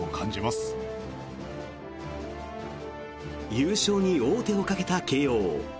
優勝に王手をかけた慶応。